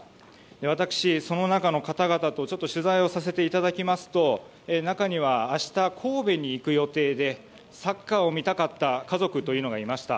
私、その中の方々と取材をさせていただきまして中には明日、神戸に行く予定でサッカーを見たかった家族というのがいました。